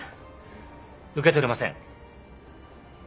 受け取れません。